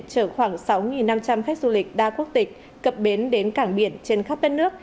chở khoảng sáu năm trăm linh khách du lịch đa quốc tịch cập bến đến cảng biển trên khắp đất nước